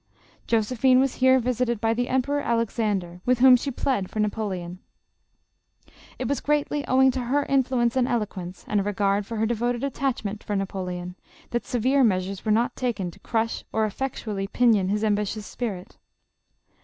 Josephine was here visited by tho Emperor Alexan der, with whom she plead for Napoleon. It was greatly owing to her influence and eloquence, and a regard for her devoted attachment for Napoleon, that severe measures were not taken to crush or effectually pinion his ambitious spirit.